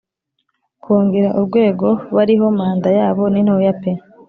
Kongera urwego bariho Manda yabo ni ntoya pe